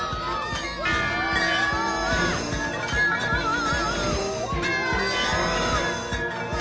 うわ！